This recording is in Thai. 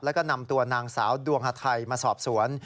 แล้วก็นำตัวนางสาวดวงฮาไทยมาสอบสวน